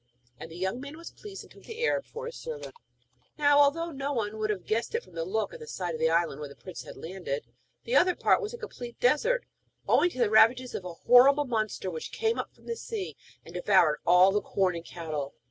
And the young man was pleased, and took the Arab for his servant. Now, although no one would have guessed it from the look of the side of the island where the prince had landed, the other part was a complete desert, owing to the ravages of a horrible monster which came up from the sea, and devoured all the corn and cattle.